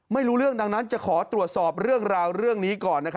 ไม่รู้เรื่องดังนั้นจะขอตรวจสอบเรื่องราวเรื่องนี้ก่อน